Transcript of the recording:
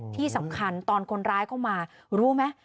ที่สำคัญตอนคนร้ายเข้ามารู้ไหม